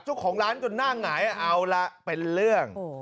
เจ้าของร้านจนหน้าหงายเอาละเป็นเรื่อง